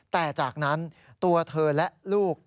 แต่จากนั้นตัวเธอและลูก